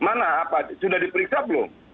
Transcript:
mana apa sudah diperiksa belum